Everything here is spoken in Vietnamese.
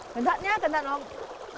cẩn thận nhé cẩn thận ổng